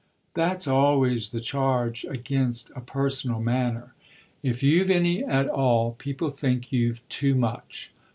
"That's always the charge against a personal manner: if you've any at all people think you've too much.